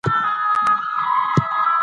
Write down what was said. د افغانستان جغرافیه کې نورستان ستر اهمیت لري.